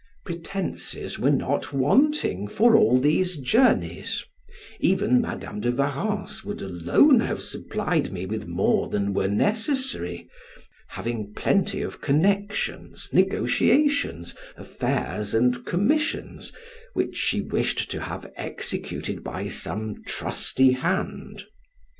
Pretences were not wanting for all these journeys; even Madam de Warrens would alone have supplied me with more than were necessary, having plenty of connections, negotiations, affairs, and commissions, which she wished to have executed by some trusty hand.